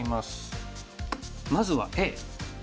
まずはＡ。